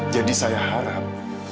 jadi saya harap